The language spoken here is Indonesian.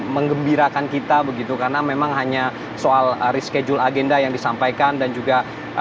mengembirakan kita begitu karena memang hanya soal reschedule agenda yang disampaikan dan juga